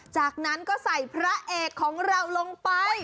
จากนั้นก็ใส่พระเอกของเราลงไป